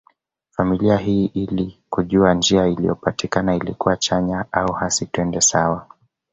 Familia hii ili kujua njia iliyopatikana ilikuwa chanya au hasi twende sawa